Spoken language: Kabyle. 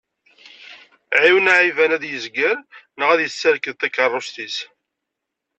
Ɛiwen aɛiban ad yezger, neɣ ad iserked takerrust-is.